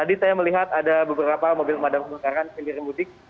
jadi saya melihat ada beberapa mobil pemadaman pembukaan sendiri mudik